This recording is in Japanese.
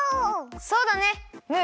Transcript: そうだね。